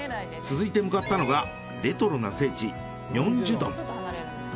続いて向かったのがレトロな聖地ミョンジュ洞。